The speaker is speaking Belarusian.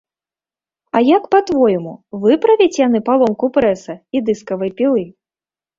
А як па-твойму, выправяць яны паломку прэса і дыскавай пілы?